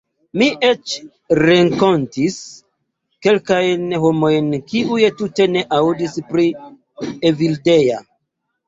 Mi eĉ renkontis kelkajn homojn kiuj tute ne aŭdis pri Evildea.